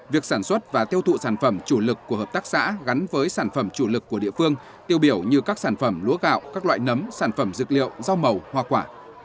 việc sản xuất và tiêu thụ sản phẩm chủ lực của hợp tác xã gắn với sản phẩm chủ lực của địa phương tiêu biểu như các sản phẩm lúa gạo các loại nấm sản phẩm dược liệu rau màu hoa quả